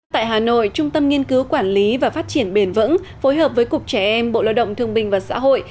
tại hà nội trung tâm nghiên cứu quản lý và phát triển bền vững phối hợp với cục trẻ em bộ lao động thương bình và xã hội